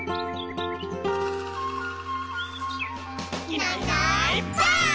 「いないいないばあっ！」